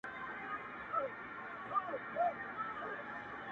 لا هنوز لرم يو لاس او يوه سترگه.!